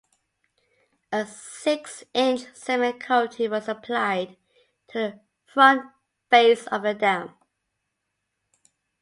A six-inch cement coating was applied to the front face of the dam.